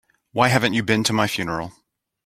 Why haven't you been to my funeral?